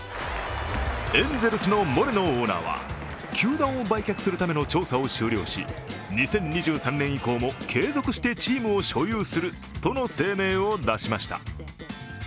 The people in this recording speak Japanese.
エンゼルスのモレノオーナーは球団を売却するための調査を終了し、２０２３年以降もチームを所有するとの声明を出しました。